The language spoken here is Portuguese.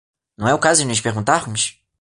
Não é o caso de nos perguntarmos?